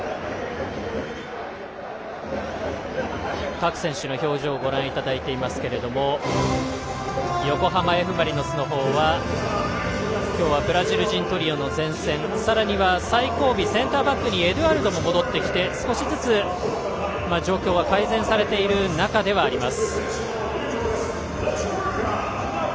各選手の表情をご覧いただいていますけれども横浜Ｆ・マリノスの方は今日はブラジル人トリオの前線さらには最後尾センターバックにエドゥアルドも戻ってきて少しずつ状況は改善されている中ではあります。